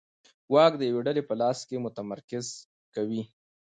واک د یوې ډلې په لاس کې متمرکز کوي.